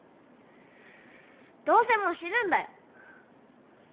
どうせもう死ぬんだよ！